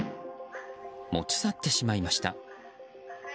持ち去ってしまいました。